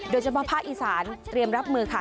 โดยเฉพาะภาคอีสานเตรียมรับมือค่ะ